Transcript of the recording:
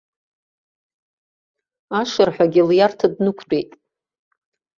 Ашырҳәагьы лиарҭа днықәтәеит.